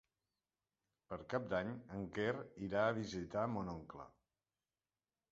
Per Cap d'Any en Quer irà a visitar mon oncle.